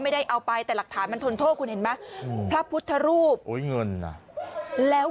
ไม่ได้เอาไปแต่หลักฐานมันทนโทษคุณเห็นไหมพระพุทธรูปโอ้ยเงินน่ะแล้ว